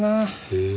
へえ。